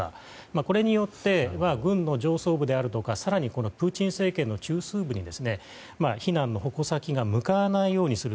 これによって軍の上層部であるとか更にプーチン政権の中枢部に非難の矛先が向かないようにする